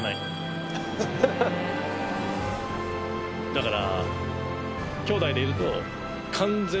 だから。